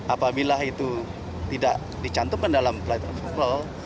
apabila itu tidak dicantumkan dalam flight of approval